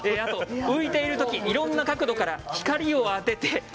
浮いているときいろんな角度から光を当てて。